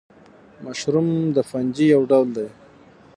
مشروم د فنجي یو ډول دی